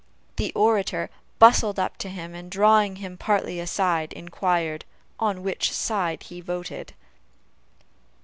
The orator bustled up to him, and, drawing him partly aside, inquired, "on which side he voted?"